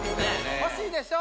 欲しいでしょ？